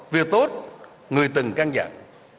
việc tốt người từng căng dặn